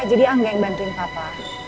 jadi angga yang bantuin papa